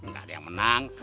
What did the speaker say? gak ada yang menang